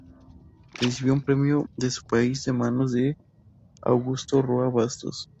Recibió un premio de su país de manos de Augusto Roa Bastos.